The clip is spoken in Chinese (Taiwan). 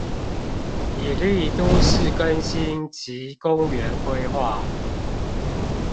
以利都市更新及公園規畫